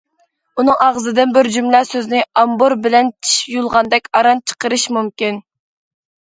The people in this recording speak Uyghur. ئۇنىڭ ئاغزىدىن بىر جۈملە سۆزنى ئامبۇر بىلەن چىش يۇلغاندەك ئاران چىقىرىش مۇمكىن.